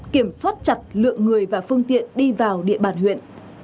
kiểm soát chặt lượng người và phương tiện đi vào địa bàn huyện